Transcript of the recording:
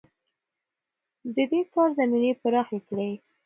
ده د کار زمينې پراخې کړې.